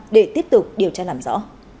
để tiếp tục điều tra làm rõ